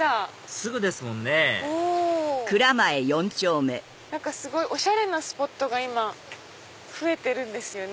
すぐですもんねすごいおしゃれなスポットが今増えてるんですよね。